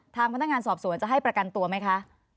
ทางพนักงานสอบสวนจะให้ประกันตัวไหมคะ